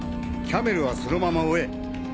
キャメルはそのまま追え。